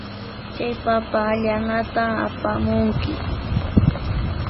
Chay papa allanata apamunki.